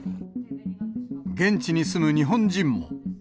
現地に住む日本人も。